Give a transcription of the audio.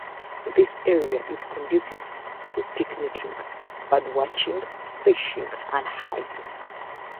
This area is conducive to picnicking, bird watching, fishing, and hiking.